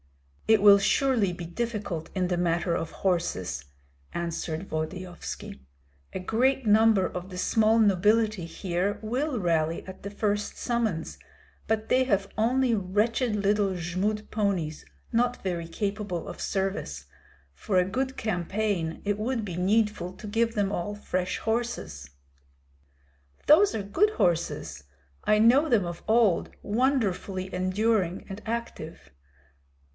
"It will surely be difficult in the matter of horses," answered Volodyovski. "A great number of the small nobility here will rally at the first summons, but they have only wretched little Jmud ponies, not very capable of service. For a good campaign it would be needful to give them all fresh horses." "Those are good horses; I know them of old, wonderfully enduring and active."